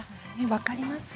分かります。